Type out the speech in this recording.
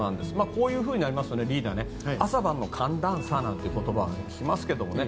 こういうふうになりますと朝晩の寒暖差なんていう言葉を聞きますけどね